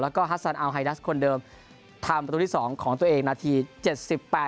แล้วก็ฮัสซันอัลไฮดัสคนเดิมทำประตูที่สองของตัวเองนาทีเจ็ดสิบแปด